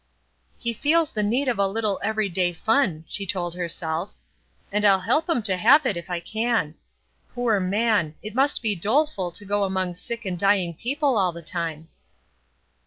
"He feels the need of a little every day fun," she told herself, "and I'll help him to have it if I can. Poor man! it must be doleful to go among sick and dying people all the time."